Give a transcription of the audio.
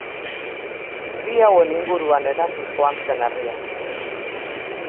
Bi hauen inguruan eratuz joan zen herria.